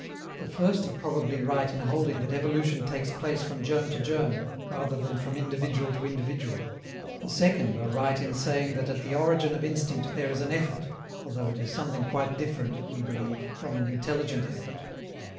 The first are probably right in holding that evolution takes place from germ to germ rather than from individual to individual; the second are right in saying that at the origin of instinct there is an effort (although it is something quite different, we believe, from an intelligent effort).